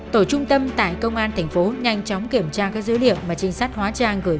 tổ trung tâm tại công an thành phố nhanh chóng kiểm tra các dữ liệu mà trinh sát hóa trang gửi